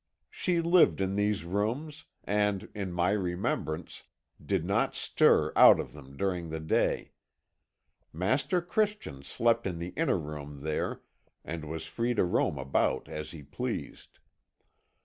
She lived in these rooms, and, in my remembrance, did not stir out of them during the day. Master Christian slept in the inner room there, and was free to roam about as he pleased.